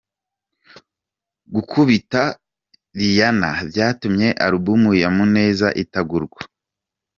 Gukubita Riyana byatumye alubumu ya Muneza itagurwa